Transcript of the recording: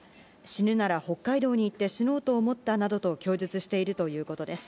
死ぬなら北海道に行って死のうと思ったなどと供述しているということです。